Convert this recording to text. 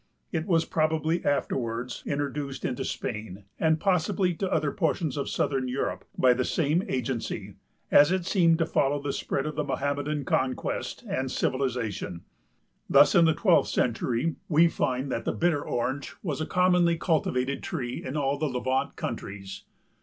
It was probably afterwards introduced into Spain and possibly to other portions of southern Europe by the same agency as it seemed to follow the spread of Mohammedan conquest and civilization. Thus in the twelfth century we find that the bitter Orange was a commonly cultivated tree in all the Levant countries.